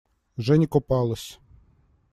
Женя купалась.